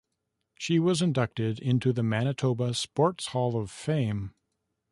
She was inducted into the Manitoba Sports Hall of Fame.